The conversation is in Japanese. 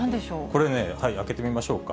これ、開けてみましょうか。